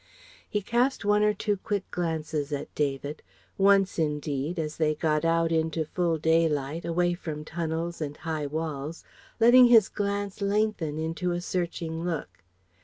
He cast one or two quick glances at David; once, indeed, as they got out into full daylight, away from tunnels and high walls, letting his glance lengthen into a searching look.